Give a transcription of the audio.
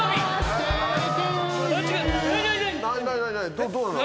どうなんの？